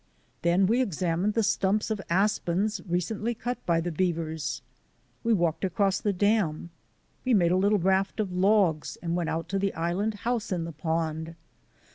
Then we examined the stumps of aspens recently cut by the beavers. We walked across the dam. We made a little raft of logs and went out to the island house in the pond.